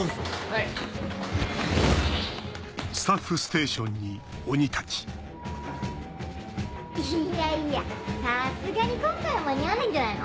いやいやさすがに今回は間に合わないんじゃないの？